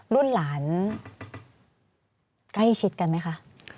รุ่นหลานใกล้ชิดกันไหมคะ